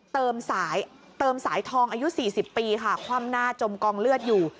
เติมสายทองอายุ๔๐ปีค่ะคว่ำหน้าจมกองเลือดอยู่